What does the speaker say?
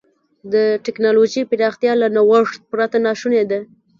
د ټکنالوجۍ پراختیا له نوښت پرته ناشونې ده.